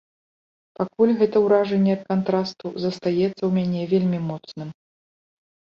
Пакуль гэта ўражанне ад кантрасту застаецца ў мяне вельмі моцным.